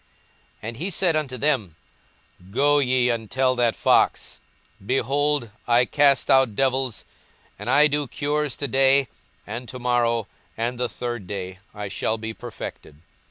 42:013:032 And he said unto them, Go ye, and tell that fox, Behold, I cast out devils, and I do cures to day and to morrow, and the third day I shall be perfected.